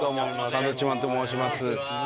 サンドウィッチマンと申します。